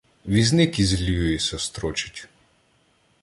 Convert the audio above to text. Візник із "Люїса" строчить.